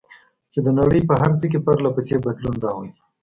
چې د نړۍ په هر څه کې پرله پسې بدلون راولي.